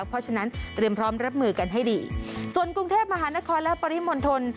เพราะฉะนั้นเตรียมพร้อมรับมือกันให้ดีส่วนกรุงเทพมหานครและปริมณฑล